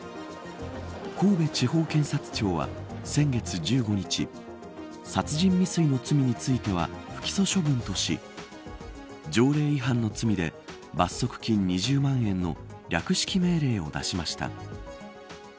神戸地方検察庁は先月１５日殺人未遂の罪については不起訴処分とし条例違反の罪で罰則金２０万円の略式命令を出しました。